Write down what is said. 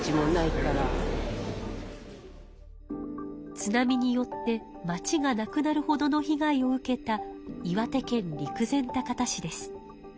津波によって町がなくなるほどのひ害を受けた岩手県陸前高田市です。